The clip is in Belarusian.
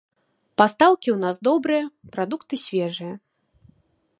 Пастаўкі ў нас добрыя, прадукты свежыя.